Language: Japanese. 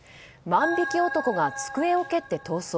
万引き男が机を蹴って逃走。